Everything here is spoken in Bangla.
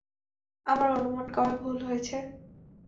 আমার অনুমান কবে ভুল হয়েছে?